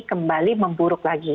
kembali memburuk lagi